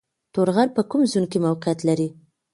تور غر په کوم زون کې موقعیت لري؟